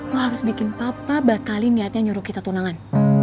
lo harus bikin papa bakalin niatnya nyuruh kita tunangan